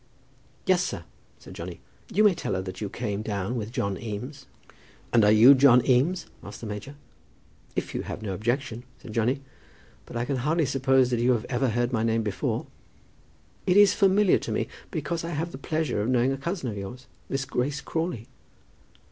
"Yes, sir," said Johnny. "You may tell her that you came down with John Eames." "And are you John Eames?" asked the major. "If you have no objection," said Johnny. "But I can hardly suppose you have ever heard my name before?" "It is familiar to me, because I have the pleasure of knowing a cousin of yours, Miss Grace Crawley."